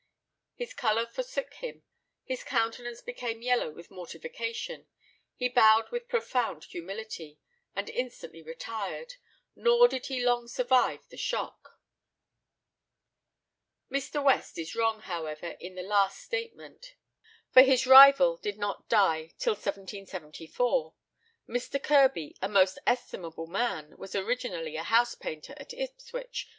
His colour forsook him his countenance became yellow with mortification he bowed with profound humility, and instantly retired, nor did he long survive the shock!" Mr. West is wrong, however, in the last statement, for his rival did not die till 1774. Mr. Kirby, a most estimable man, was originally a house painter at Ipswich.